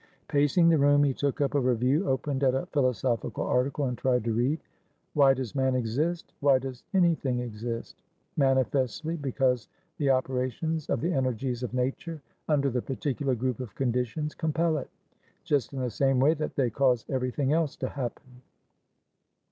Pacing the room, he took up a review, opened at a philosophical article, and tried to read. "Why does man exist? Why does anything exist? Manifestly because the operations of the energies of nature, under the particular group of conditions, compel it, just in the same way that they cause everything else to happen."